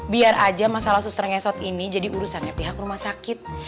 biar aja masalah suster ngesot ini jadi urusannya pihak rumah sakit